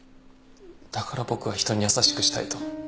だから僕は人に優しくしたいと。